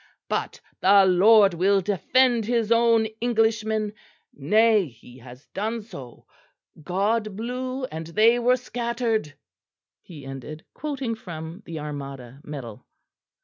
But the Lord will defend His own Englishmen; nay! He has done so. 'God blew and they were scattered,'" he ended, quoting from the Armada medal.